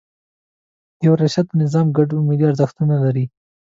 یو ریاست د نظام ګډ ملي ارزښتونه لري.